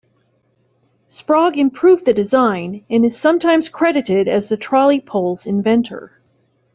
Sprague improved the design and is sometimes credited as the trolley pole's inventor.